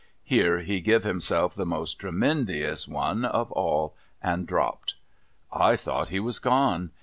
' Here he giv himself the most tremendious one of all, and dropped. I thought he was gone.